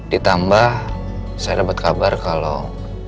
ditambah saya dapat kabar kalau